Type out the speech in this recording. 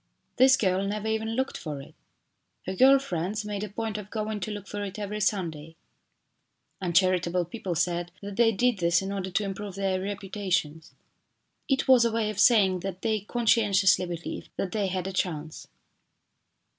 This girl never even looked for it. Her girl friends made a point of going to look for it every Sunday. Uncharitable people said that they did this in order to improve their reputa 291 292 STORIES IN GREY tions. It was a way of saying that they conscien tiously believed that they had a chance.